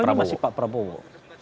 sejauh ini masih pak prabowo